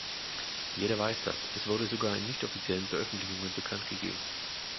Jeder weiß das, es wurde sogar in nicht-offiziellen Veröffentlichungen bekanntgeben.